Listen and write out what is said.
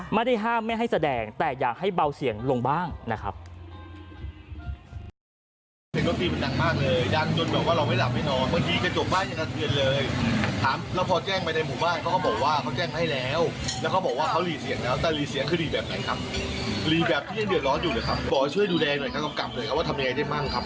ไม่ได้ห้ามไม่ให้แสดงแต่อยากให้เบาเสียงลงบ้างนะครับ